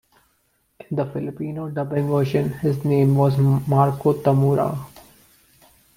In the Filipino Dubbing Version, His name was Marco Tamura.